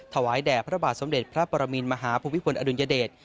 ถวายแด่พระบาทสมเด็จพระปรมินมหาภูมิพลอดุลยเดช